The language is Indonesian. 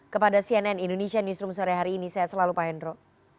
kepada cnn indonesia newsroom sore hari ini sehat selalu pak hendro